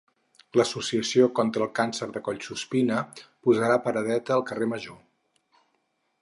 L'Associació Contra el Càncer de Collsuspina posarà paradeta al Carrer Major.